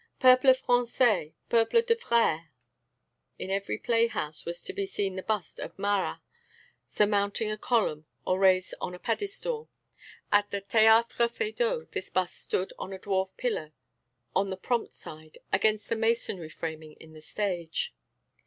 Peuple français, peuple de frères!... In every play house was to be seen the bust of Marat, surmounting a column or raised on a pedestal; at the Théâtre Feydeau this bust stood on a dwarf pillar on the "prompt" side, against the masonry framing in the stage.